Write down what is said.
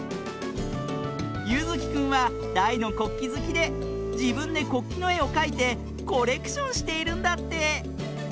ゆずきくんはだいのこっきずきでじぶんでこっきの「え」をかいてコレクションしているんだって。